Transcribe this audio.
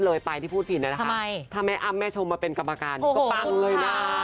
แล้วก็ประสบการณ์เห็นเมื่อกว่าคุณสวย